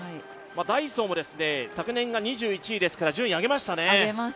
ダイソーも昨年が２１位ですから、順位、上げましたね。